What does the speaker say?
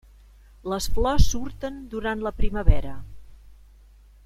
Les flors surten durant la primavera.